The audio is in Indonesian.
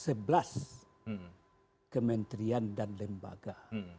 sebelas kementrian dan lembaga